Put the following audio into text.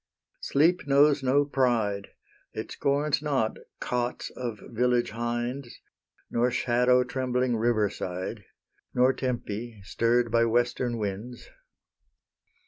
Sleep knows no pride; It scorns not cots of village hinds, Nor shadow trembling river side, Nor Tempe, stirr'd by western winds.